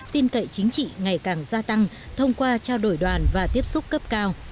tin cậy chính trị ngày càng gia tăng thông qua trao đổi đoàn và tiếp xúc cấp cao